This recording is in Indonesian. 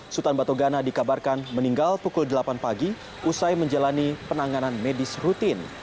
sultan batugana dikabarkan meninggal pukul delapan pagi usai menjalani penanganan medis rutin